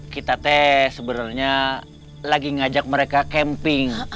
kita tes sebenarnya lagi ngajak mereka camping